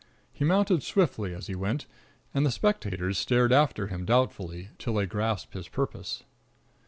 He mounted swiftly as he went, and the spectators stared after him doubtfully, till they grasped his purpose.